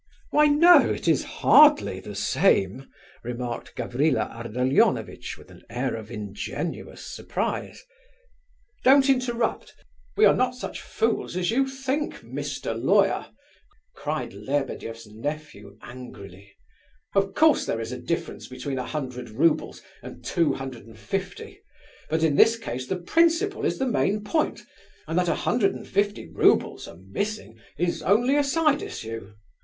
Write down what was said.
"Why, no, it is hardly the same," remarked Gavrila Ardalionovitch, with an air of ingenuous surprise. "Don't interrupt, we are not such fools as you think, Mr. Lawyer," cried Lebedeff's nephew angrily. "Of course there is a difference between a hundred roubles and two hundred and fifty, but in this case the principle is the main point, and that a hundred and fifty roubles are missing is only a side issue.